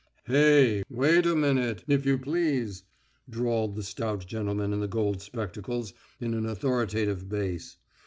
"Hey, wait a minute, if you please," drawled the stout gentleman in the gold spectacles in an authoritative bass.